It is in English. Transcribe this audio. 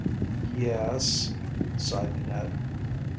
"Yes?" sighed Ned.